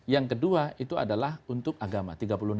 yang kedua itu adalah untuk agama